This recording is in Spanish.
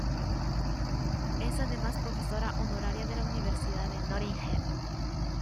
Es además profesora honoraria de la Universidad de Nottingham.